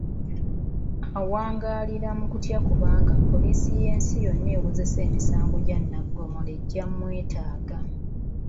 Awangaalira mu kutya kubanga kkooti y'ensi yonna ewozesa emisango gya Nnagomola ejja kumwetaaga